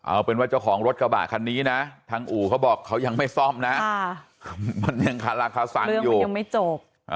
มันยังคาราคาสั่งอยู่เรื่องมันยังไม่จบ